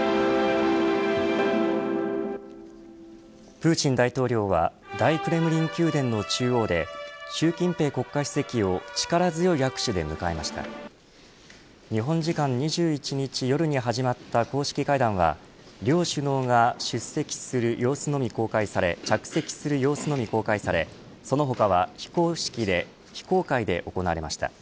プーチン大統領は大クレムリン宮殿の中央で習近平国家主席を力強い握手で迎えました日本時間２１日夜に始まった公式会談は両首脳が出席する様子のみ公開され着席する様子のみ公開されその他は非公開で行われました。